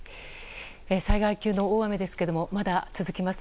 災害級の大雨ですけどもまだ続きます。